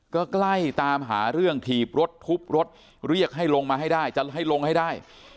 ก็ใกล้ตามหาเรื่องถีบรถทุบรถเรียกให้ลงมาให้ได้จะให้ลงให้ได้